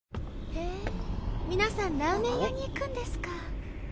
へぇ皆さんラーメン屋に行くんですか。